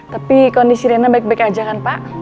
tapi kondisi rena baik baik saja pak